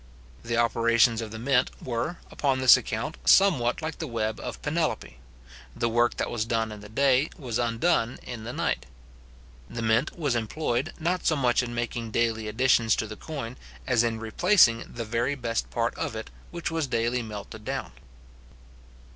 The operations of the mint were, upon this account, somewhat like the web of Penelope; the work that was done in the day was undone in the night. The mint was employed, not so much in making daily additions to the coin, as in replacing the very best part of it, which was daily melted down.